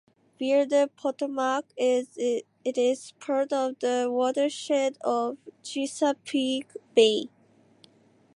Via the Potomac, it is part of the watershed of Chesapeake Bay.